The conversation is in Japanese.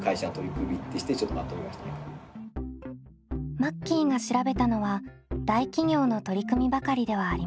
マッキーが調べたのは大企業の取り組みばかりではありません。